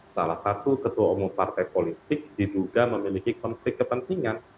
salah satu ketua umum partai politik diduga memiliki konflik kepentingan